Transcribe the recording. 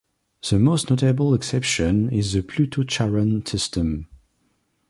The most notable exception is the Pluto-Charon system.